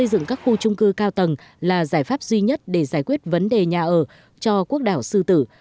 trung tâm quản lý trung cư cao tầng là giải pháp duy nhất để giải quyết vấn đề nhà ở cho quốc đảo sư tử